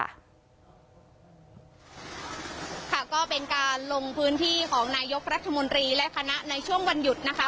ค่ะก็เป็นการลงพื้นที่ของนายกรัฐมนตรีและคณะในช่วงวันหยุดนะคะ